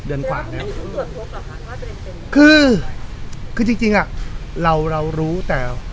เดือนกว่านะฮะคือคือจริงจริงอ่ะเราเรารู้แต่